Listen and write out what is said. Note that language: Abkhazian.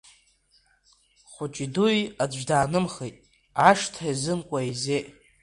Хәыҷи дуи аӡә даанымхеит, ашҭа иазымкуа еизеит.